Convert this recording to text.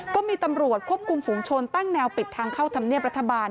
ก็มีตำรวจควบคุมฝุงชนตั้งแนวปิดทางเข้าธรรมเนียบรัฐบาล